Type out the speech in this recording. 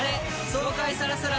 爽快さらさら